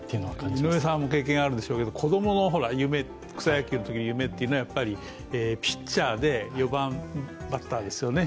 井上さんも経験あるでしょうけど、子供の夢、草野球とかの夢というのはピッチャーで４番バッターですよね